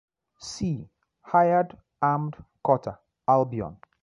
See: Hired armed cutter Albion.